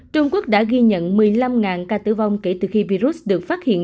trung quốc đã ghi nhận một mươi năm ca tử vong kể từ khi virus được phát hiện